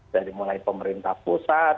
dari mulai pemerintah pusat